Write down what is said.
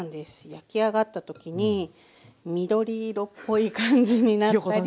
焼き上がった時に緑色っぽい感じになったり。